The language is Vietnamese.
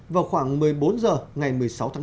vào khoảng một mươi bốn h ngày một mươi sáu tháng năm